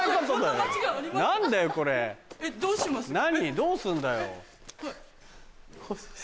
どうすんだよ。